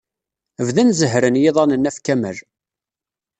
Bdan zehhren yiḍan-nni ɣef Kamal.